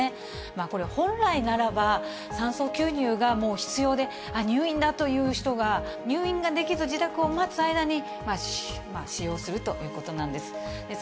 これ、本来ならば、酸素吸入がもう必要で、あ、入院だという人が、入院ができず、自宅で待つ間に使用するということなんです。